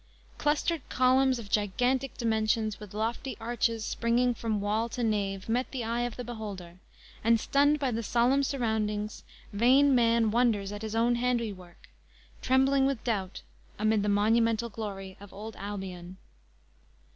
Clustered columns of gigantic dimensions, with lofty arches springing from wall to nave met the eye of the beholder, and stunned by the solemn surroundings, vain man wonders at his own handiwork, trembling with doubt amid the monumental glory of Old Albion.